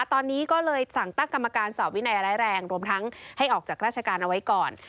ตอนนี้ก็เลยสั่งตั้งกรรมการสอบวินัยร้ายแรงรวมทั้งให้ออกจากราชการเอาไว้ก่อน